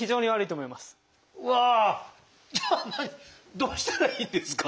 どうしたらいいんですか？